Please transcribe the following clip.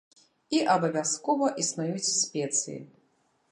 І абавязкова існуюць спецыі.